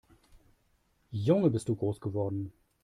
Junge, bist du groß geworden!